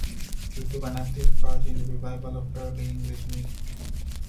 He took an active part in the revival of early English music.